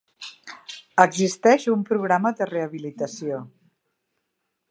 Existeix un programa de rehabilitació.